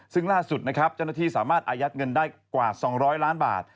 ซึ่งล่าสุดนะครับเจ้าหน้าที่สามารถอายัดเงินได้กว่า๒๐๐ล้านบาท